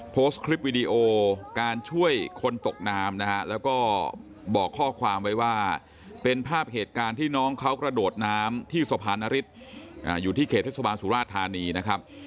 ทฤษฐบาลสุราชธานีนะครับ